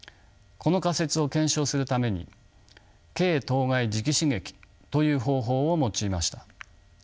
この仮説を検証するために経頭蓋磁気刺激という方法を用いました。